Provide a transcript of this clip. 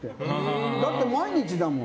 だって、毎日だもん。